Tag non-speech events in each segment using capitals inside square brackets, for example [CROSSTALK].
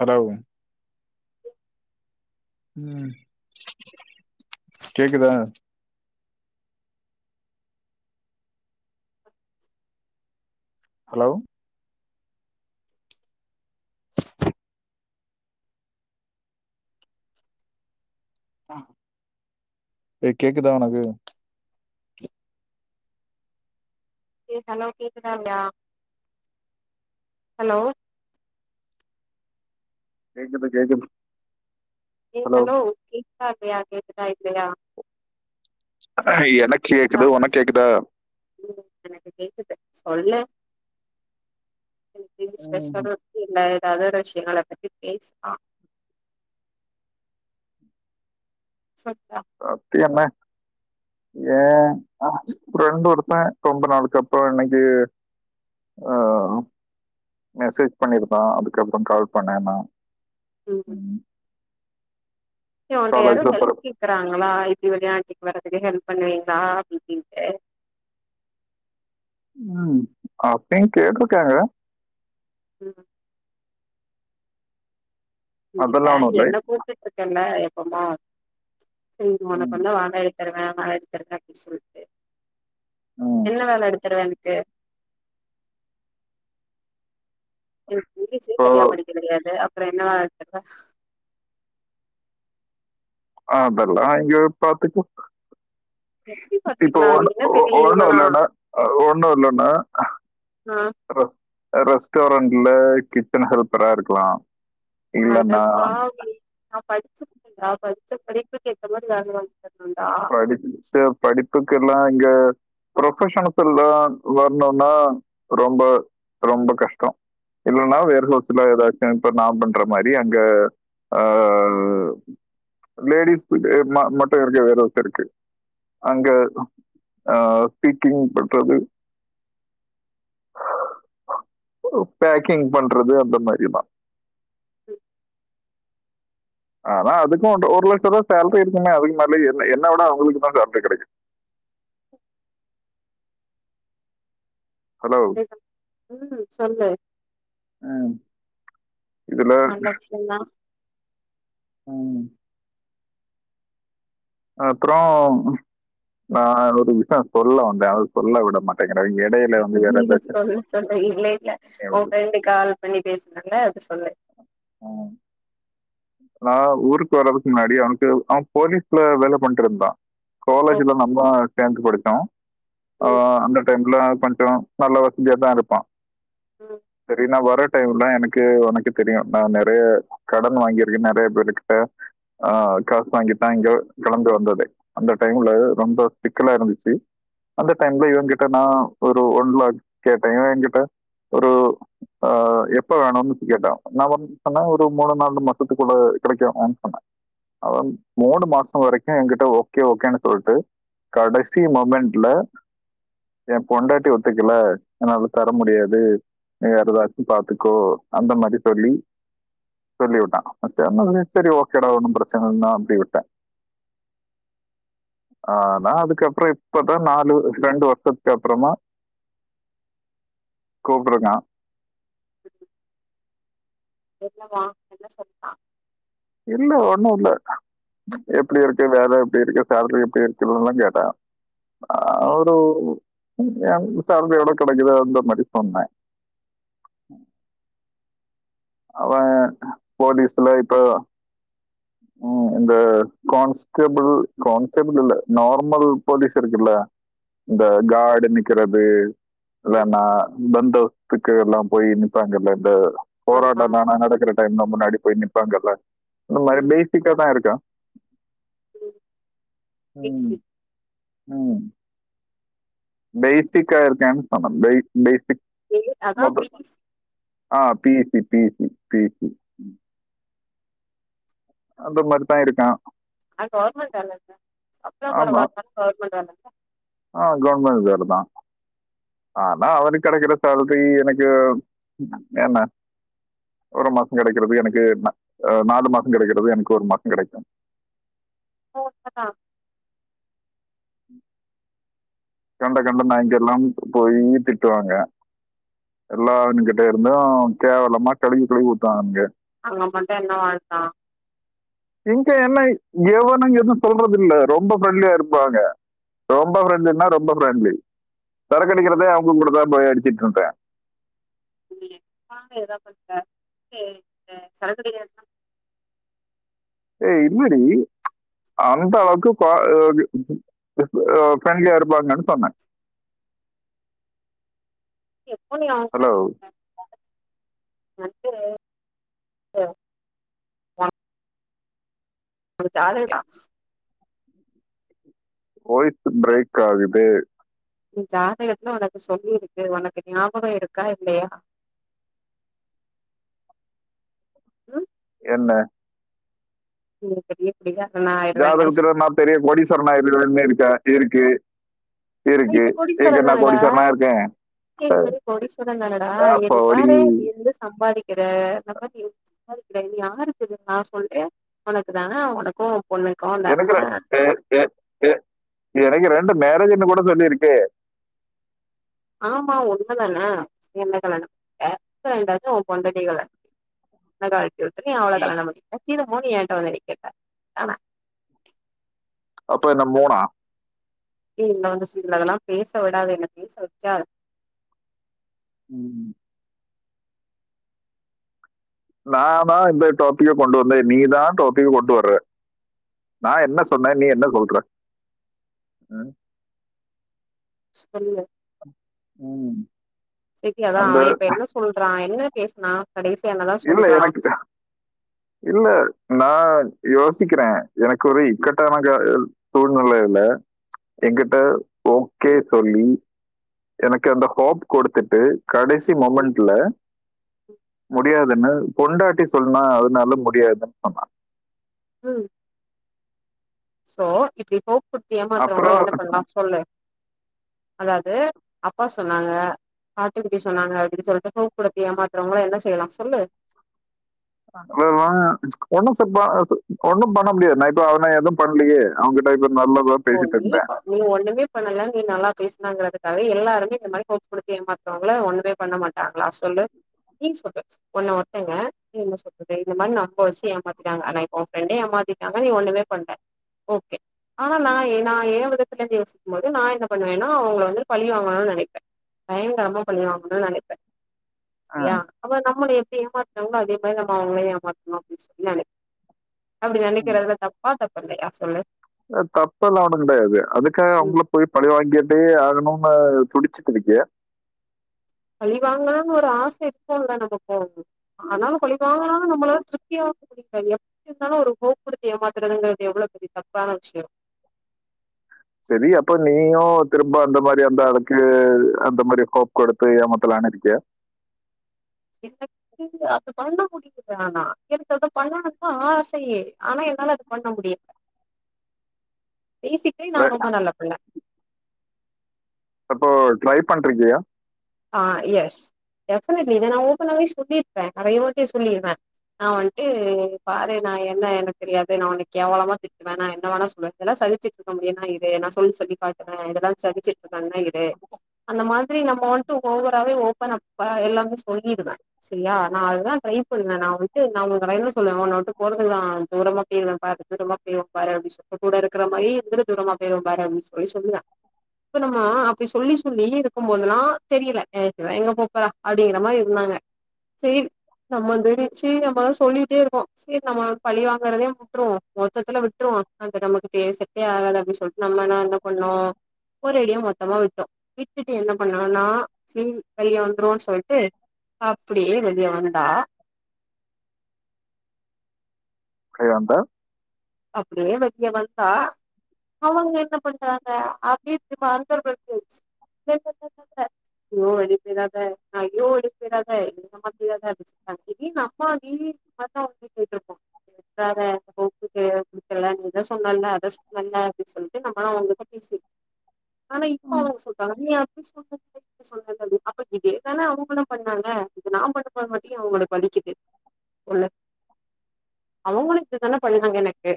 Hello உம் கேக்குதா hello ஏ கேக்குதா உனக்கு ஏ ஹலோ கேக்குதா இல்லையா ஹலோ கேக்குது கேக்குது ஏ ஹலோ கேக்தா இல்லையா கேக்குதா இல்லையா ஆ எனக்கு கேக்குதா கேக்குது உனக்கு கேக்குதா ம் எனக்கு கேக்குது சொல்லு இன்னைக்கு ம் ஸ்பெஷலா எது இல்ல ஏதாவ்து ரஷ்யங்கள பத்தி பேஸ்லா சத்த அப்டி எல்லா இல்ல ஏன் ஃப்ரெண்ட் ஒருத்தன் ரொம்ப நாளுக்கு அப்புறம் இன்னைக்கு ஆ மெசேஜ் பண்ணிருந்தான் அதுக்கப்புறம் கால் பண்ணே நா உம் ஏ ஒன்ட யாரோ காலேஜ்ல ஹெல்ப் போறப்ப கேக்குறாங்களா இப்டி வழியா ஆண்டிக்கு வரதுக்கு ஹெல்ப் பண்ணுவீங்களா அப்டி இப்டின்ட்டு உம் அப்பயு கேட்ருக்காங்க ம் இல்ல அதெல்லாம் ஒன்றும் இல்லை என்ன கூப்ட்டுட்டு இருக்கல்ல எப்போமா சரி உனக் ம் வந்தா வேல எ ததருவேன் வேல எடுத்துருவேன் அப்படின்னு சொல்லிட்டு ம் என்ன வேல எடுத்து தருவ எனக்கு எனக்கு இங்கிலீஷே இப்போ சரியா படிக்க தெரியாது அப்புறம் என்ன வா [INAUDIBLE] அதெல்லா எங்கயோ பாத்துக்கோ எப்டி இப்போ பாத்துக்கலா நீ ஒன்னு என்ன ஒ பெரிய ஒண்ணும் இவனா இல்லனா அ ஒன்னும் இல்லனா ஆ ரெஸ் ரெஸ்டாரண்ட்ல கிச்சன் ஹெல்பரா இருக்கலாம் அட இல்லைன்னா பாவி நா படி ச்சு நா படிச்ச படிப்புக்கு ஏத்த மாதிரி வேல வாங்கி தரனும்டா படிப்புக் சிஸ்டர் படிப்புக்கு எல்லாம் இங்க ப்ரொபஷனத்துல்லாம் வரணும்னா ரொம்ப ரொம்ப கஷ்டம் இல்லன்னா வேர்ஹவுஸ்ல ஏதாச்சும் இப்ப நா பண்ற மாதிரி அங்க அ லேடிஸ் ம மட்டும் இருக்க வேர் இருக்கு அங்க அ ஸ்பீக்கிங் பண்றது பேக்கிங் பண்றது அந்த மாரிதா ஆனா அதுக்கும் ஒரு லட்ச ரூபா சேல்ரி இருக்குமே அதுக்கு மேல என் என்ன விட அவுங்களுக்கு தா ஜாஸ்த்தி கிடைக்கு ஹலோ ம் சொல்லு ம் நல்லாச் சொல்னா ம் அப்றோம் நா ஒரு விஷயம் சொல்ல வந்தே அத சொல்ல விட மாட் சொல்லு சொல்லு இல்ல இல்ல பிரச்சனை உன் வருது. ஃப்ரெண்ட்டு கால் பண்ணி பேசுறாங்க அது சொல்லு ம் நா ஊருக்கு வர்றதுக்கு முன்னாடி அவனுக்கு அவன் போலீஸ்ல வேல பண்ட்டுருந்தா ஓ காலேஜ்ல நம்போ சேந்து படிச்சோம் அ ம் அந்த டைம்ல கொஞ்சம் நல்ல வசதியா தா இருப்பா நீங்க சரி நா வர டைம்ல எனக்கு ஒனக்கு தெரியு நா நெறைய கடன் வாங்கிரு க்க நெறையா பேருக்கிட்ட ஆ காசு வாங்கி தா இங்க கெளம்பி வந்ததே அந்த டைம்ல ரொம்ப சிக்கலா இருந்துச்சு அந்த டைம்ல இவங்கிட்ட நா ஒரு ஒன் லாக் கேட்டே என் கிட்ட ஒரு ஆ எப்போ வேணுன் கேட்டா நா வந்து சொன்ன ஒரு மூணு நாலு மாஸ் சத்துக்குள்ள கெடைக்கனுன் சொன்ன அவன் மூணு மாசோ வரைக்கு என் கிட்ட ஓகே ஓகேனு சொல்ட்டு கடைசி மொமண்ட்ல என் பொண்டாட்டி ஒத்துக்கல என்னால தர முடியாது நீ வேற எதாச்சு பாத்துக்கோ அந்த மாரி சொல்லி சொல்லிவுட்டா அவ சொன்னதுமே சரி ம் ஓகேடா ஒண்ணும் பிரச்சன இல்ல அப்டி விட்ட ஆனா அதுக்கப்றோ இப்பதா நாலு ரெண்டு வர்ஷத் அப்றமா கூப்ட்ருக்கா என்னவா என்ன சொல்ட்டா இல்ல ஒண்ணு இல்ல எப்டி இருக்கு வேல எப்டி இருக்கு சேல்ரி எப்டி இருக்குதுன்லா கேட்டா அ ம் ஒரு [UNINTELLIGIBLE] சேல்ரி எவ்ளோ கெடைக்குது அந்த மாரி சொன்னா அவ போலீஸ்ல இப்போ அ இந்த கான்ஸ்கபுள் கான்ஸ்ஸபுள் இல்ல நார்மல் போலீஸ் இருக்குல்ல இந்த கார்டு நிக்குறது ம் இல்லேனா பந்தோஸ்த் த்துக்கு எல்லா போய் நிப்பாங்கல்ல இந்த ஆமா போராட்டோலானா நடக்கிற டைம்ல முன்னாடி போய் நிப்பாங்கல்ல ஒ ம் லைட்டுக்கா தா இருக்கோ ம் பி சி ம் பேசிக்கா இருக்கேன் சொன்ன பே பேசிக் ஏ அதா மோடு பி சி ஆ பி யே சி பீ எ சி பி எ சி அந்த மாரிதா இருக்கா அது கவர்மெண்ட் வேலல சம்ளோ ஆமா கொறவா இருந்தாலு கவர்மெண்ட் வேலல ஆ கவர்மெண்ட் வேல தா ஆனா அவனுக் கெடைக்குற சேல்ரி எனக்கு வேணா ஒரு மாசோ கெடைக்கிறதுக்கு எனக்கு அ நாலு மாசோ கெடைக்கிறது எனக்கு ஒரு மாசோ கெடைக்கு போன் பண்ணா கண்ட கண்ட நாய்ங்கல்லாம் போய் திட்டுவாங்க எல்லாத்துகிட்ட இருந்து கேவலமா கழுவி கழுவி ஊத்துவாங்க அங்க அங்க மட்டு என்ன வாழ்தா இங்க என்ன எவனுங்க எது சொல்றது இல்ல ரொம்ப ஃப்ரென்லியா இருப்பாங்க ரொம்ப ஃப்ரெண்டுனா ரொம்ப ஃப்ரெண்ட்லி சரக்கடிக்கிறதே அவங்க கூட தா போய் அடிச்சிட்டு இருந்தே [UNINTELLIGIBLE] ஏத பண்க்க சரக்கடிக்க [INAUDIBLE] ஏ இல்லடி அந்த அளவுக்கு குவா அ உ அ ஃபிரெண்ட்லியா இருப்பாங்கன் சொன்ன எப்போ நீ அவே கூட ஹலோ சுத்துன [INAUDIBLE] வந்துரு ஒனுக்கு ஜாதக லாஸ் வாய்ஸ்ஸு ப்ரேக்காகுது ஜாதகத்துல ஒனக்கு சொல்லி இருக்கு ஒனக்கு ஞாபகோ இருக்கா இல்லையா ம் என்ன [UNINTELLIGIBLE] பிகாஸ் உன்ன ஜாதகத்துல நா பெரிய கொடீஸ்வரன் ஆய்ருவேன் இருக்கா இருக்கு இருக்கு இப்ப எங்கனா கோடீஸ்வரனா ஆய்ருக்கே ஏ இப்ப நீ கோடீஸ்வரன் தானடா எ நீ அப்படி பாரு இருந்து சம்பாதிக் கிற [UNINTELLIGIBLE] யாருக்குதுங்களா சொல்லு உனக்கு தான உனக்கு பொண்ணுக்கு தான சேர் சேர் சேர் எனக்கு ரெண்டு மேரேஜ்ஜின்னு கூட சொல்லிருக்கு ஆமா உண்மதானே என்ன கல்யாணம் கிட்ட இப்ப ரெண்டாவது உன் பொண்டாட்டி கல்யா என்ன கழ்ட்டிவுட்ட நீ அவ்ள கல்யாணம் [INAUDIBLE] திரும்பவு என்ட்ட வந்து நிக்கிற தான அப்ப என்ன மூணா ஏ இங்க வந்து சிலதெல்லா பேச விடாத என்ன பேச வெக்காத ம்ம் நானா தா இந்த டாபிக்க கொண்டு வந்த நீதா டாபிக்க கொண்டு வர்ற நா என்ன சொன்ன நீ என்ன சொல்ற அ சொல்லு உம் சரி அதா அவ இப்ப என்ன சொல்றா என்ன பேசுனா கடைசியா என்னதா இல்ல எனக்கு ஜா இல்ல நா யோசிக்கிறே எனக்கு ஒரு இக்கட்டான கா சூழ்நெலையில எங்கிட்ட ஓக்கே சொல்லி எனக்கு அந்த ஹோப் குடுத்துட்டு கடைசி மொமெண்ட்ல முடியாதுன்னு பொண்டாட்டி சொன்னா அதனால முடியாதுன் சொன்ன ம் சோ இப்டி ஹோப் குடுத்து ஏமாத்துறவங்கள அப்புறம் என்ன பண்லா சொல்லு அதாவது அப்பா சொன்னாங்க ஆட்டு குட்டி சொன்னாங்க அப்டின் சொல்ட்டு ஹோப் குடுத்த ஏமாத்துறவங்கள என்ன செய்யலா சொல்லு [UNINTELLIGIBLE] ஒண்ணு ச பா ஒண்ணும் பண்ண முடியாது னா இப்ப அவ எதும் பண்லையே அவ்ங்கிட்ட இப்ப நல்லதா பேசிட்டு போயி இருந்தே நீ ஒன்னுமே பண்ணல நீ நல்லா பேசுனங்குறதுக்காக எல்லாருமே இந்த மாரி போட்டு குடுத்து ஏமாத்துறவங்கள ஒன்னுமே பண்ண மாட் ஆ நா சொல்லு நீ சொல்லு ஒன்ன ஒருத்தவ்ங்க என்ன சொல்றது இந்த மாரி நம்ப வெச்சு ஏமாத்திட்டாங்க ஆனா இப்போ ஒரு ஃப்ரெண்டே ஏமாத்திட் டாங்க நீ ஒன்னுமே பண்ல ஓகே ஆனா நா ஏ நா ஏ விதத்துல இருந்து யோசிக்கும் போது நா என்ன பண்ணுவேனா அவ்ங்கள வந்து பழி வாங்கணுன் நெனைப்பே பயங்கரமா பழி வாங்கனுன் நெனைப்பே சேரியா அப்ப நம்மள எப்டி ஏமாத்துனாங்ளோ அதே மாரி நம்ம அவ்ங்களையு ஏமாத்தணு அப்டின் சொல்லி நெனைப் அப்டி நெனைக்கிறதுல தப்பா தப்பில்லையா சொல்லு அ தப்பெல்லா ஒன்னு கெடையாது அதுக்காக ம். அவ்ங்ள போய் பழி வாங்கிட்டே ஆகணுனு துடிச்சுக்கிருக்கியா பழி வாங்கலானு ஒரு ஆச இருக்குல்ல நம்மக்கு ஆனாலு பழி வாங்கலானு நம்மள சுத்திவ இப்ப எப்டி இருந்தாலு ஒரு ஹோப் குடுத்து ஏமாத்துறதுங்கிறது எவ்ளோ பெரிய தப்பான விஷ்ய சேரி அப்ப நீயு திரும்ப அந்த மாரி அந்த ஆளுக்கு அந்த மாரி ஹோப் குடுத்து ஏமாத்தலானு இருக்கியா எனக்கு அத்த பண்ண முடிய ஆனா எனக்கு அத பண்ணனுன்தா ஆசையே ஆனா என்னால அத பண்ண முடிய பேசிக்கலி நா ரொம்ப நல்ல புள்ள இப்போ ட்ரை பண்ட்ருக்கியா ஆ எஸ் டெஃபனெட்லி இத நா ஓப்பனாவே சொல்லிருப்பே நெறைய வாட்டி சொல்லிருவே நா வந்ட்டு இது பாரு நா என்ன எனக்கு தெரியாது நா உன்ன கேவலமா திட்டுவே நா என்ன வேணா சொல்லுவே இதெல்லா சகிச்சிட்ருக்க முடியுனா இதயே நா சொல்லி சொல்லி காட்டுவே இதெல்லா சகிச்சிட் பண்றே இது அந்த மாதிரி நம்ம வந்ட்டு ஓவராவே ஓப்பனா அப்ப எல்லாமே சொல்லிடுவே செரியா நா அததா ட்ரை பண்ணுவே நா வந்ட்டு நியாவுக இருக்க டைல்ல சொல்லுவே ஒன்ன விட்டு போறதுக்குதா தூரமா போயிருவே பாரு தூரமா போய்ருவே பாரே அப்டின் சொல் இப்ப கூட இருக்குற மாரி எந்திர துரமா போய்ருவே பாரே அப்டின் சொல்லி சொல்லுவே இப்ப நம்ம அப்டி சொல்லி சொல்லி இருக்கும்போதெல்லா தெரியல என்ன விட்டு எங்க போப்போறா அப்டிங்கிற மாரி இருந்தாங்க சேரி நம்ம வந்து நென்ச்சு நம்மதா சொல்லிட்டே இருக்கோ சேரி நம்ம பழி வாங்குறதே வுட்டுருவோ மொத்தத்துல விட்டுருவோ அந்த நமக்குதே செட்டே ஆகாது அப்டின் சொல் நம்மனா என்ன பண்ணோ ஒரேடியா மொத்தமா விட்டோ விட்டுட்டு என்ன பண்ணோனா சேரி வெளிய வந்துருவோன் சொல்ட்டு அப்டியே வெளிய வந்தா கை அந்த அப்டியே வெளிய வந்தா அவங்க என்ன பண்றாங்க அப்டின் இப்ப அந்தர் பல்ட்டி அடிச்சு என்னென்னென்னென்ன ஐயோ ஓடிப்போயிறாத ஐயோ ஓடிபோயிறாத [UNINTELLIGIBLE] திறாத அ திடீர்னு அம்மாடி அத்தா வந்து கேட்ருப்பா பேச போக்து தெளிவா குடுத்தல்ல நீ தா சொன்னல்ல அத சொன்னல்ல அப்டின் சொல்ட்டு நம்மள அவங்கள்ட்ட பேசி ஆனா இப்ப அவ்ங்க சொல்றாங்க நீ அப்டி சொன்னல்லே சொல்லாத அப்டி அப்ப இதேதானே அவுங்களு பண்ணாங்க இத நா பண்ணம் போது மட்டு ஏ அவ்களுக்கு வலிக்குது உள்ள அவுங்களு இதுதானே பண்ணா ணாங்க எனக்கு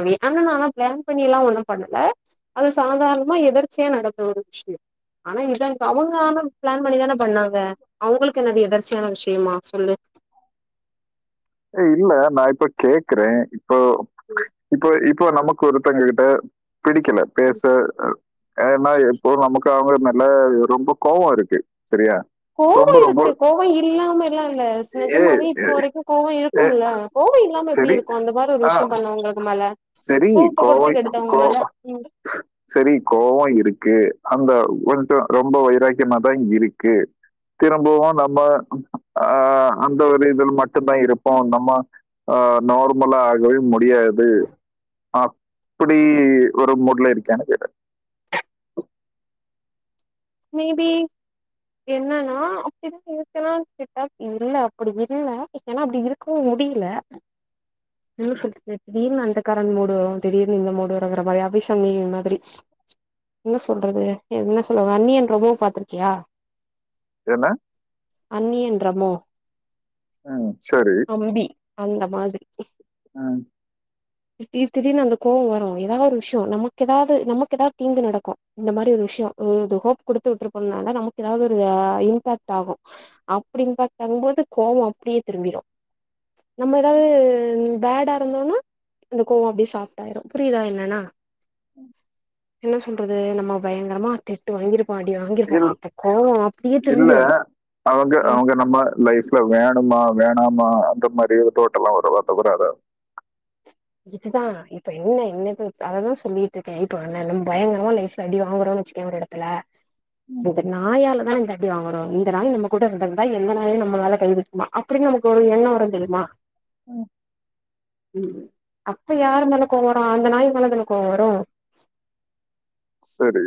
அவிய ஆனா நா ஆனா பிளான் பண்ணியெல்லா ஒன்னு பண்ணல அது சாதாரணமா எதிர்ச்சியா நடத்த ஒரு விஷ்யோ ஆனா இதுதா இப்ப அவுங்க ஆனா பிளான் பண்ணிதான பண்ணாங்க அவ்ங்களுக்கு என்னது எதர்ச்சியான விஷயமா சொல்லு ஏ இல்ல நா இப்ப கேக்குறே இப்போ இப்போ இப்போ நமக்கு ஒருத்தங்கக் கிட்ட பிடிக்கல பேச அ ஏனா எப்போ நமக்கு தா அவ்ங்க மேல ரொம்ப கோவோ இருக்கு செரியா கோவோ இருக்கு கோவோ இல்லாமலா இல்ல ஸ் ஏ நிஜமாவே இப்ப ஏ- வரைக்கு கோவோ ஏ, இருக்கும்ல கோவோ இல்லாமல எப்டி சரி இருக்கு அந்த மாரி ஒரு ஆ விஷயோ பண்ணவுங்களுக்கு மேல சரி பூப்புகுடுத்து கெடுத்தவுங்க மேல உண்டு செரி கோவோ இருக்கு அந்த ஒன் சொல் ரொம்ப வைராக்கியமதா இருக்கு திரும்பவு நம்ம ஆ அந்த ஒரு இதில் மட்டு தா இருப்போ நம்ம ஆ நார் மலா ஆகவே முடியாது அப்டி ஒரு மூட்ல இருக்கியானு கேட்டே மேபி என்னன்னா அப்டிதா இருக்கனா கேட்டா இல்ல அப்டி இல்ல ஏனா அப்டி இருக் குவு முடில இழுத்திருக்கு திடீர்னு அந்தக்காரந் மூடு வரு திடீர்னு இந்த மூடு வரோங்கிற மயா அவ்வை சண்முகி மாதிரி என்ன சொல்றது என்ன சொல்ல அந்நியன் ரெமோ பாத்திருக்கியா என்ன அந்நியன் ரெமோ ம். சரி. அம்பி அந்த மாதிரி ம். திடீர் திடீர்னு அந்த கோவோ வரு எதா ஒரு விஷயயோ நமக்கு எதாது நமக்கு எதாது தீங்கு நடக்கு இந்த மாரி ஒரு விஷ்யோ ஏது ஹோப் குடுத்து விட்ருப்போனால நமக்கு ஏதாது ஒரு இம்பேக்ட் ஆகு அப்டின் பாத்தங்போது கோவோ அப்டியே திரும்பிரு நம்ம எதாது பேடா இருந்தோனா அந்த கோவோ அப்டியே சாஃப்டாயிரு புரிதா என்னன்னா என்ன சொல்றது நம்ம பயங்கரமா திட்டு வாங்கிருப் போ அடி வாங்கிரு ப்போ இல் அப்ப கோவோ அப்டியே இல்ல. திரும்பிரு அவங்க ம் அவங்க நம்ம லைஸ் இல்ல வேணுமா வேணாமா அந்த மாரி டோட்டல்லா வரலாத் தவிர அத இதுகுதா இப்ப என்ன என்னது அததா சொல்லிட்டு ருக்கே இப்ப எ நெலம் பயங்கரமா லைஃப்ல அடி வாங்கறோனு வச்சிக்க ஒரு எட த்துல இந்த நாயாலதா இந்த அடி வாங்குறோ இந்த நாய் நம்ம கூட இருந்திருந்துதா எந்த நாயு நம்ம மேல கைவக்குமா அப்டின்னு நமக்கு ஒரு எண்ணோ வரு தெரியுமா ம் ம் அப்ப யாரு மேல கோவோ வரு அந்த நாய் மேலதான கோவோ வரு செரி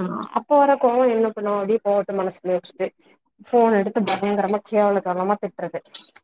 அ அப்போ வர கோவோ என்ன பண்ணு அப்டியே கோவத்த மனசுகுள்ளயே வெச்சுட்டு ஃபோன்ன எடுத்து பயங்கறமா கேவல கேவலமா திட்றது